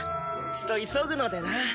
ちと急ぐのでな。